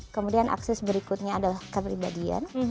kemudian akses berikutnya adalah kepribadian